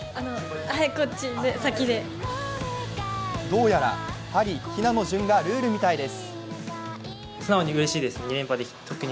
どうやらはり・ひなの順がルールみたいです。